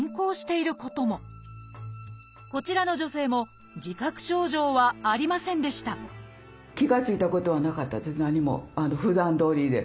こちらの女性も自覚症状はありませんでしたふだんどおりで。